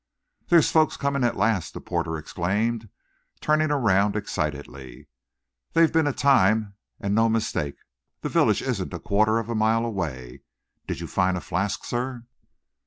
"There's folks coming at last!" the porter exclaimed, turning around excitedly. "They've been a time and no mistake. The village isn't a quarter of a mile away. Did you find a flask, sir?"